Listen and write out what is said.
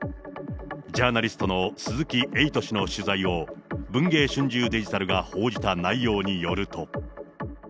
ジャーナリストの鈴木エイト氏の取材を、文藝春秋デジタルが報じた内容によると。